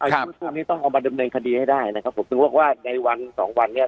ช่วงนี้ต้องเอามาดำเนินคดีให้ได้นะครับผมถึงบอกว่าในวันสองวันเนี่ย